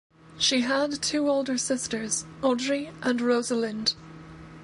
She had two older sisters, Audrey and Rosalind.